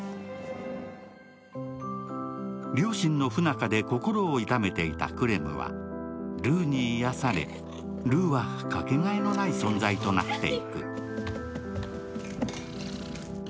両親の不仲で心を痛めていたクレムはルーに癒やされルーはかけがえのない存在となっていく。